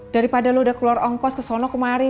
daripada lu udah keluar ongkos ke sono kemari